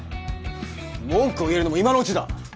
文句を言えるのも今のうちだ。